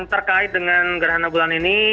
terkait dengan gerhana bulan ini